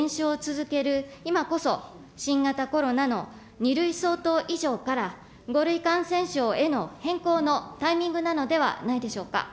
新規感染者数が減少を続ける今こそ新型コロナの２類相当以上から５類感染症への変更のタイミングなのではないでしょうか。